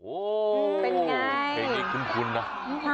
โอ้เป็นไง